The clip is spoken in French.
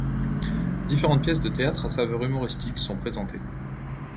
Différentes pièces de théâtre à saveur humoristique sont présentées.